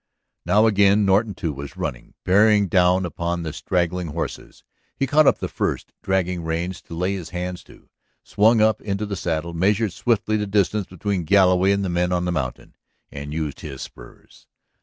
Now again Norton, too, was running, bearing down upon the straggling horses. He caught up the first dragging reins to lay his hand to, swung up into the saddle, measured swiftly the distance between Galloway and the men on the mountain ... and used his spurs.